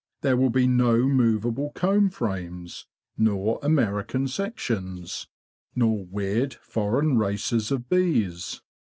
There will be no movable comb frames, nor American sections, nor weird, foreign races of bees.